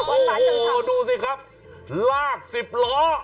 โอ้โหดูสิครับลาก๑๐ล้อ